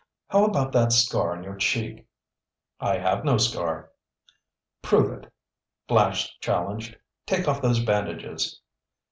How about that scar on your cheek?" "I have no scar." "Prove it," Flash challenged. "Take off those bandages!"